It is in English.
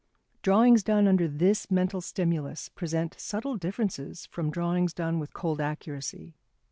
Drawings done under this mental stimulus present subtle differences from drawings done with cold accuracy.